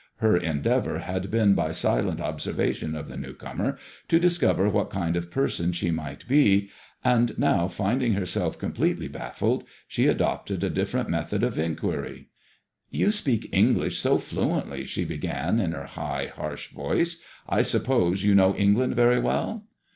Her endeavour had been by silent observation of . the new comer to discover what kind of person she mi^ht be, and MADEMOISELLE IXE. I3 now, finding herself completely ba£Bed| she adopted a different method of inquiry. You speak English so fluently," she began, in her high, harsh voice, *^ I suppose you know England very well."